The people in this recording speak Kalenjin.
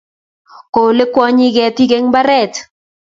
Kolei kwonyik ketik eng mbaret